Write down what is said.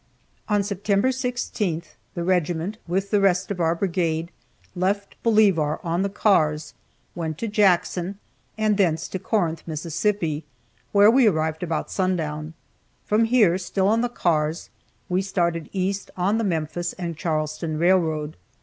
On September 16 the regiment (with the rest of our brigade) left Bolivar, on the cars, went to Jackson, and thence to Corinth, Mississippi, where we arrived about sundown. From here, still on the cars, we started east on the Memphis and Charleston railroad.